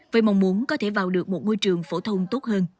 với mong muốn có thể vào được một ngôi trường phổ thông tốt hơn